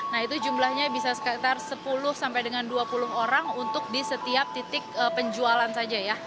nah itu jumlahnya bisa sekitar sepuluh sampai dengan dua puluh orang untuk di setiap titik penjualan saja ya